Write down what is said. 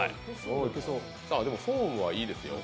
でもフォームはいいですよ。